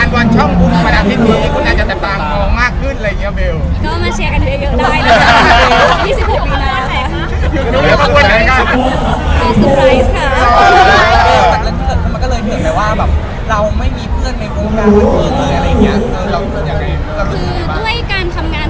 คนจะยิ่งก็จับตามองเวลาวินไทย